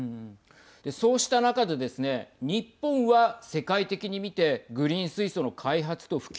そうした中でですね日本は世界的に見てグリーン水素の開発と普及。